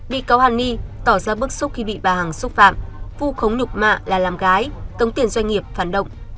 bị cáo hẳn nghi tỏ ra bức xúc khi bị bà hằng xúc phạm vu khống nhục mạ là làm gái tống tiền doanh nghiệp phản động